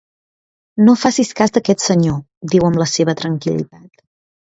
"No facis cas d'aquest senyor", diu amb la seva tranquil·litat.